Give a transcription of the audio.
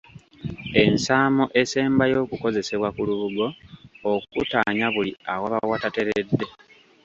Ensaamo esembayo okukozesebwa ku lubugo okuttaanya buli awaba watateredde.